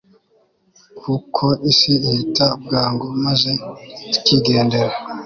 kuko isi ihita bwangu, maze tukigendera